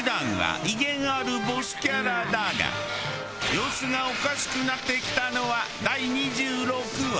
様子がおかしくなってきたのは第２６話。